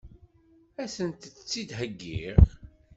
Ad sent-tt-id-heggiɣ?